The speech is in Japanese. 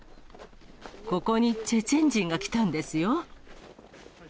ここにチェチェン人が来たんですよ。